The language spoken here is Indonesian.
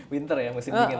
winter ya musim dingin